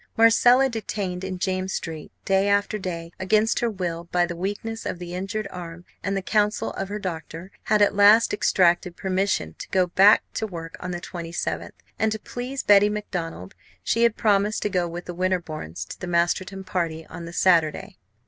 Marcella, detained in James Street day after day against her will by the weakness of the injured arm and the counsels of her doctor, had at last extracted permission to go back to work on the 27th; and to please Betty Macdonald she had promised to go with the Winterbournes to the Masterton party on the Saturday.